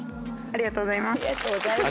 ありがとうございます。